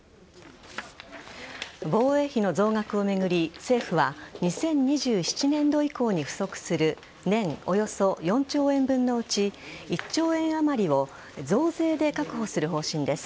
防衛費の増額を巡り、政府は２０２７年度以降に不足する年およそ４兆円分のうち１兆円あまりを増税で確保する方針です。